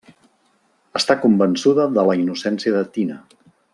Està convençuda de la innocència de Tina.